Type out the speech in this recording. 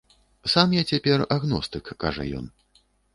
Сам я цяпер агностык, кажа ён.